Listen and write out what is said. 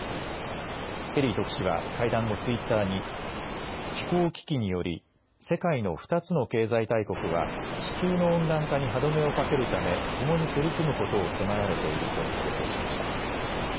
ケリー特使は会談後、ツイッターに気候危機により世界の２つの経済大国は地球の温暖化に歯止めをかけるため、ともに取り組むことを迫られていると投稿しました。